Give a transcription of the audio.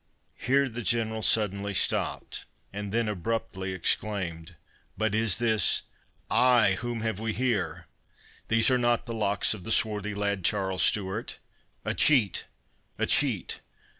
Here the General suddenly stopt, and then abruptly exclaimed—"But is this—Ay! whom have we here? These are not the locks of the swarthy lad Charles Stewart?—A cheat! a cheat!"